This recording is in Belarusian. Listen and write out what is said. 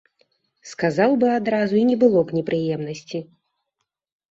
Сказаў бы адразу, і не было б непрыемнасці.